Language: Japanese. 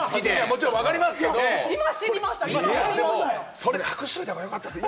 それ、隠しておいたほうがよかったですよ。